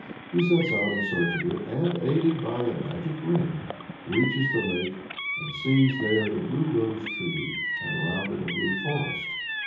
He sets out in search of it, and, aided by a magic ring, reaches the lake, "and sees there the blue rose tree, and around it a blue forest."